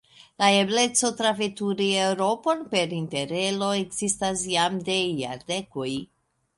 La ebleco traveturi Eŭropon per Interrelo ekzistas jam de jardekoj.